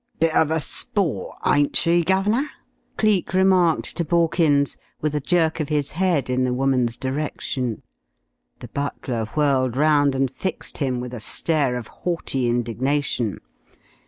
"Bit of a sport, ain't she, guv'nor?" Cleek remarked to Borkins, with a jerk of his head in the woman's direction. The butler whirled round and fixed him with a stare of haughty indignation.